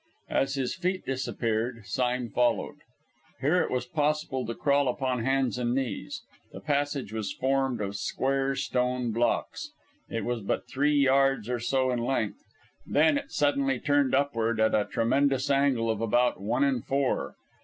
As his feet disappeared, Sime followed. Here it was possible to crawl upon hands and knees. The passage was formed of square stone blocks. It was but three yards or so in length; then it suddenly turned upward at a tremendous angle of about one in four.